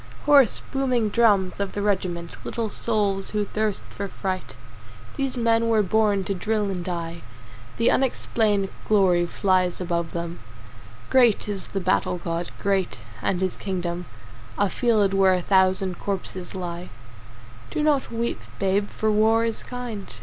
Hoarse, booming drums of the regiment, Little souls who thirst for fight, These men were born to drill and die. The unexplained glory flies above them, Great is the battle god, great, and his kingdom A field where a thousand corpses lie. Do not weep, babe, for war is kind.